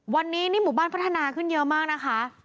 วันนี้นี่หมู่บ้านพัฒนาขึ้นเยอะมากนะคะ